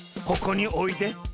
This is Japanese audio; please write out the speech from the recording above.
ここにおいで。